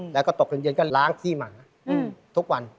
แล้วก็ตกเย็นก็ล้างขี้หมาทุกวัน